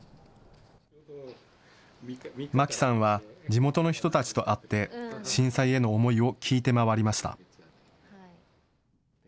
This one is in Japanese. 舞木さんは地元の人たちと会って震災への思いを聞いて回りました。